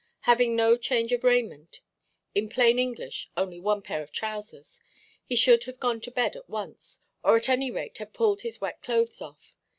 Having no change of raiment—in plain English, only one pair of trousers—he should have gone to bed at once, or at any rate have pulled his wet clothes off.